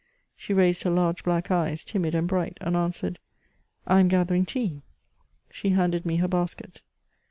She raised her large black eyes, timid and bright, and answered: " I am gathering tea." She handed me her basket.